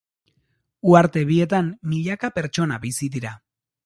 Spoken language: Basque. Uharte bietan milaka pertsona bizi dira.